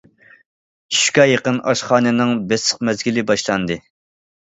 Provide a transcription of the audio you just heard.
چۈشكە يېقىن ئاشخانىنىڭ بېسىق مەزگىلى باشلاندى.